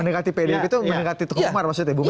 mendekati pdip itu mendekati tukang umar maksudnya